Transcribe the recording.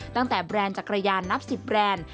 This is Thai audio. ตั้งแต่แบรนด์จักรยานนับ๑๐แบรนด์